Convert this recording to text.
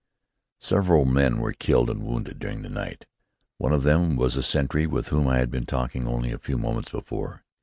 Several men were killed and wounded during the night. One of them was a sentry with whom I had been talking only a few moments before.